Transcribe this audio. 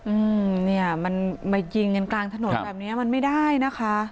อืมเนี่ยมันมายิงกันกลางถนนแบบเนี้ยมันไม่ได้นะคะ